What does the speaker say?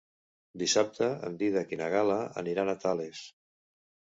Dissabte en Dídac i na Gal·la aniran a Tales.